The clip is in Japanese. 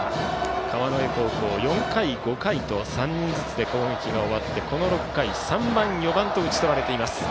川之江高校、４回、５回と３人ずつで攻撃が終わりこの６回、３番、４番と打ち取られています。